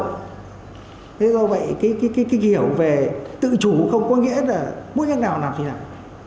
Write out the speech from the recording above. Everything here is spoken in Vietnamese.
thế do vậy cái kinh hiểu về tự chủ không có nghĩa là muốn làm gì thì làm